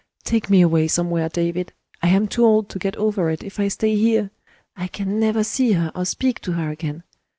Take me away somewhere, David; I am too old to get over it, if I stay here. I can never see her or speak to her again.